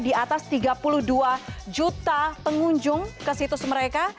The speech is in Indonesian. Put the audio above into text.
di atas tiga puluh dua juta pengunjung ke situs mereka